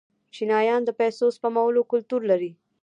چینایان د پیسو سپمولو کلتور لري.